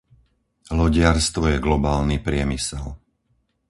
Lodiarstvo je globálny priemysel.